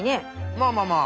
まあまあまあ。